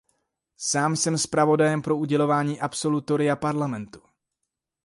Sám jsem zpravodajem pro udělování absolutoria Parlamentu.